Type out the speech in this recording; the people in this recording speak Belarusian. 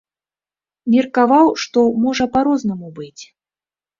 Меркаваў, што можа па-рознаму быць.